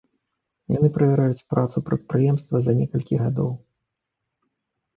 Яны правяраюць працу прадпрыемства за некалькі гадоў.